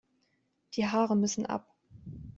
Die Haare müssen ab.